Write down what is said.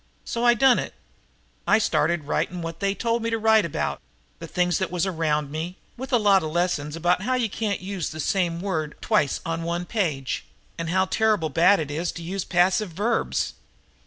So I done it. I started writing what they told me to write about, the things that was around me, with a lot of lessons about how you can't use the same word twice on one page, and how terrible bad it is to use too many passive verbs."